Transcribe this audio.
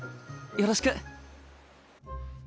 よろしく。